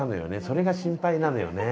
それが心配なのよね。